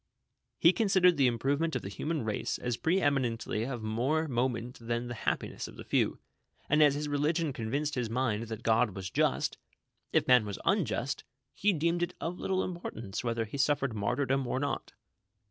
He considered the improvement of the human race as pre eminently of more moment than the happiness of the few ; and as his religion convinced his mind that God was just, if man was unjnst, he deemed it of little importance whether he suffered martyrdom or not.